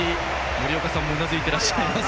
森岡さんもうなずいてらっしゃいます。